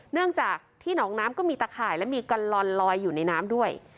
เนื่องจากที่หนองน้ำก็มีตะข่ายและมีกัลลอนลอยอยู่ในน้ำด้วย